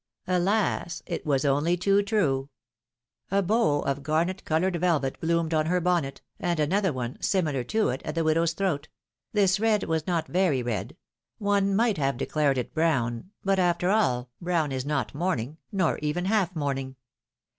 Alas ! it was only too true ! A bow of garnet colored 292 PHILOMiJNE's MAKRIAGES. velvet bloomed on her bonnet, and another one, similar to it, at the widow^s throat ; this red was not very red ; one might have declared it brown — but after all, brown is not mourning, nor even half mourning.